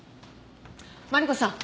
マリコさん。